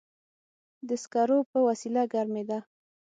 د سکرو په وسیله ګرمېده.